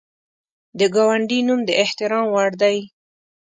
د ګاونډي نوم د احترام وړ دی